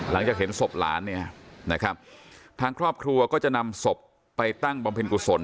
หลังจากเห็นศพหลานเนี่ยนะครับทางครอบครัวก็จะนำศพไปตั้งบำเพ็ญกุศล